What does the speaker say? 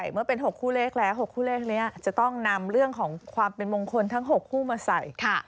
เมื่อเป็น๖คู่เลขแล้ว๖คู่เลขนี้จะต้องนำเรื่องของความเป็นมงคลทั้ง๖คู่มาใส่